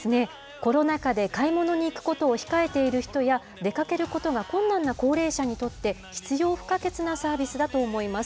コロナ禍で買い物に行くことを控えている人や、出かけることが困難な高齢者にとって、必要不可欠なサービスだと思います。